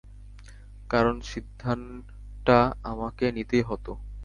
কারণ, সিদ্ধানটা আমাকে নিতেই হতো!